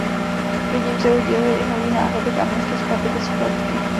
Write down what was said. Jedním z jeho děl je i nový náhrobek Arnošta z Pardubic v Kladsku.